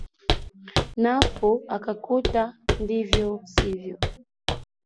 Napo ukakuta ndivyo sivyo.